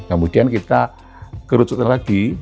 kemudian kita kerucut lagi